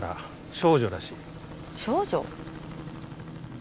少女？